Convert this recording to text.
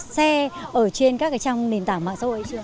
xe ở trên các cái trong nền tảng mạng xã hội chưa